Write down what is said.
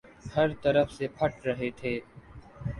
ہر طرف سے پٹ رہے تھے۔